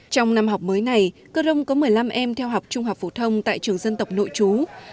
trong năm học mới này cơ rông có một mươi năm em theo học trung học phổ thông tại trường dân tộc nội chú